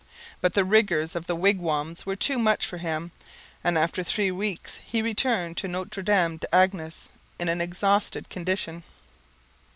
But the rigours of the wigwams were too much for him, and after three weeks he returned to Notre Dame des Anges in an exhausted condition.